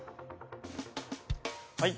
はい。